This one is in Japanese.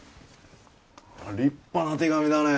立派な手紙だねえ